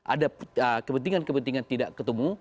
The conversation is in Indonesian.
ada kepentingan kepentingan tidak ketemu